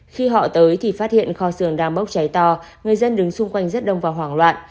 khi họ tới thì phát hiện kho sường đang bốc cháy to người dân đứng xung quanh rất đông và hoảng loạn